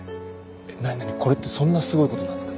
え何何これってそんなすごいことなんすか？